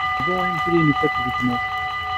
Bḍu imekli-nnek akked gma-k.